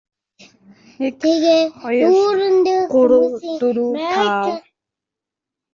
Одоо чи юу хүсэх вэ?